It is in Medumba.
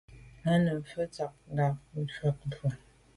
Á wʉ́ Nùmí fə̀ ə́ fáŋ ntɔ́ nkáà Nùgà fáà bɔ̀.